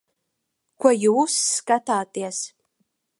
Ko jūs skatāties?